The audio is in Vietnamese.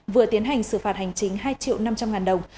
vừa tiến hành xử phạt hành chính hai triệu năm trăm linh ngàn đồng